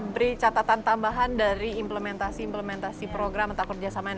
beri catatan tambahan dari implementasi implementasi program atau kerjasama yang